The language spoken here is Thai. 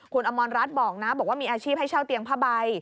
คุณอมรรัฐบอกนะบอกว่ามีอาชีพให้เช่าเตียงผ้าใบ